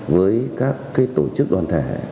với các tổ chức đoàn thể